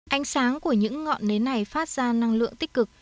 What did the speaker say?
ánh sáng của những ngọn nến này phát ra năng lượng tích cực